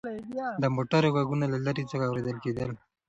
د موټرو غږونه له لرې څخه اورېدل کېدل.